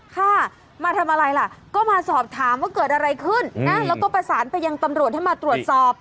ค่ะมาทำอะไรล่ะก็มาสอบถามว่าเกิดอะไรขึ้นนะแล้วก็ประสานไปยังตำรวจให้มาตรวจสอบ